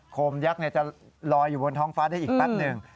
โคมยักษ์จะลอยอยู่บนท้องฟ้าได้อีกแป๊บหนึ่ง